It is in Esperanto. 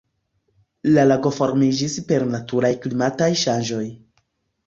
La lago formiĝis per naturaj klimataj ŝanĝoj.